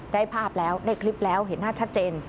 ได้ภาพแล้วได้คลิปแล้วเห็นหน้าชัดเจน